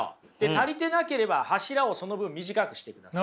足りてなければ柱をその分短くしてください。